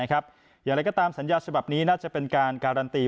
อย่างไรก็ตามสัญญาฉบับนี้น่าจะเป็นการการันตี